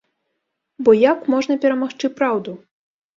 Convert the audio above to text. Бо як можна перамагчы праўду?!